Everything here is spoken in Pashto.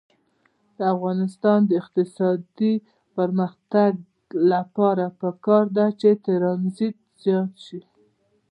د افغانستان د اقتصادي پرمختګ لپاره پکار ده چې ترانزیت زیات شي.